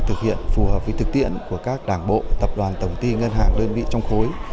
thực hiện phù hợp với thực tiễn của các đảng bộ tập đoàn tổng ti ngân hàng đơn vị trong khối